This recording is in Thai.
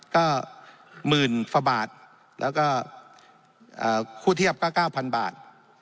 ก็๑๐๐๐๐ฟาบาทแล้วก็คู่เทียบก็๙๐๐๐บาท